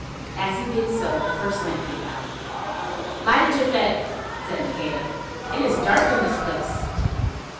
As he did so the first lamp gave out. "Light it, Japhet," said Maqueda, "it is dark in this place."